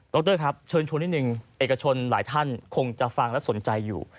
รครับเชิญชวนนิดนึงเอกชนหลายท่านคงจะฟังและสนใจอยู่